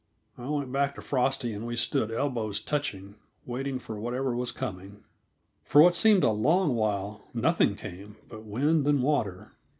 I went back to Frosty, and we stood elbows touching, waiting for whatever was coming. For what seemed a long while, nothing came but wind and water.